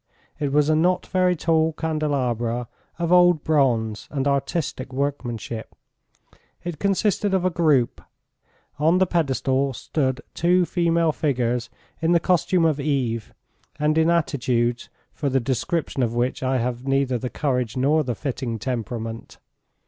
It was a not very tall candelabra of old bronze and artistic workmanship. It consisted of a group: on the pedestal stood two female figures in the costume of Eve and in attitudes for the description of which I have neither the courage nor the fitting temperament.